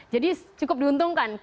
jadi cukup diuntungkan